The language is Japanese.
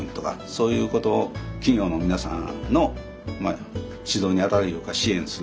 そういうことを企業の皆さんの指導に当たるいうか支援するとか。